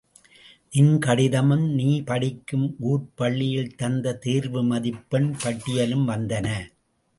நின் கடிதமும் நீ படிக்கும் ஊர்ப் பள்ளியில் தந்த தேர்வு மதிப்பெண் பட்டியலும் வந்தன.